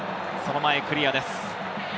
その前クリアです。